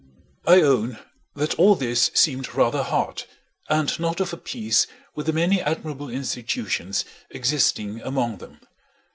I own that all this seemed rather hard, and not of a piece with the many admirable institutions existing among them.